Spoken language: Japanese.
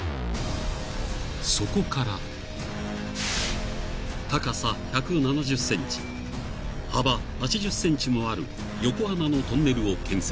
［そこから高さ１７０ｃｍ幅８０ｃｍもある横穴のトンネルを建設］